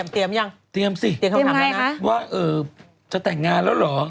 เตรียมยังเตรียมสิเตรียมไงคะว่าเออจะแต่งงานแล้วเหรอ